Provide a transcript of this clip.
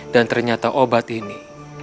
dan ternyata obat ini